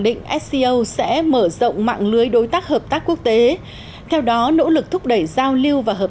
định sco sẽ mở rộng mạng lưới đối tác hợp tác quốc tế theo đó nỗ lực thúc đẩy giao lưu và hợp